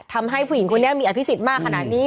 ผู้หญิงคนนี้มีอภิษฎมากขนาดนี้